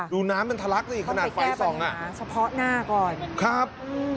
ดูน้ำมันทะลักได้อีกขนาดไฟสองอ่ะเขาไปแก้ปัญหาเฉพาะหน้าก่อนครับ